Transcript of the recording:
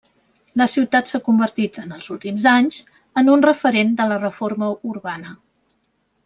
La ciutat s'ha convertit en els últims anys en un referent de la reforma urbana.